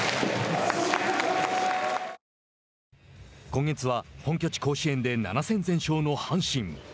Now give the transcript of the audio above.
今月は、本拠地・甲子園で７戦全勝の阪神。